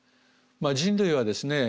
人類はですね